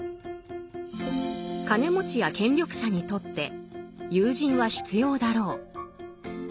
金持ちや権力者にとって友人は必要だろう。